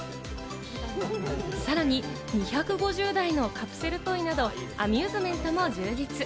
さらに２５０台のカプセルトイなど、アミューズメントも充実。